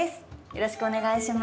よろしくお願いします。